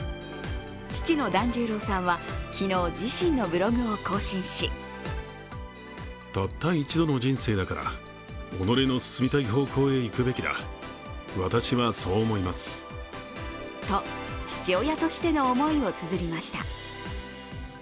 父の團十郎さんは、昨日、自身のブログを更新しと父親としての思いをつづりました。